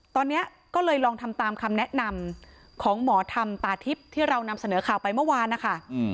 ตอนนี้ก็เลยลองทำตามคำแนะนำของหมอธรรมตาทิพย์ที่เรานำเสนอข่าวไปเมื่อวานนะคะ